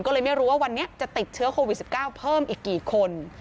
ก็เลยไม่รู้ว่าวันนี้จะติดเชื้อโควิด๑๙เพิ่มอีกกี่คน